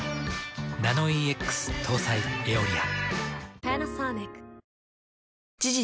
ナノイーＸ搭載「エオリア」。